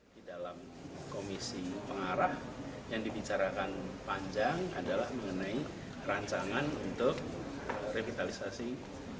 di dalam komisi pengarah yang dibicarakan panjang adalah mengenai rancangan untuk revitalisasi